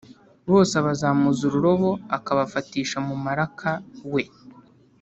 bose abazamuza ururobo, akabafatisha mu muraka we,